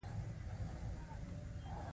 آیا غیږ نیول یا پهلواني پخوانۍ لوبه نه ده؟